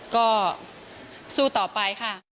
ก็สู้ต่อไปค่ะ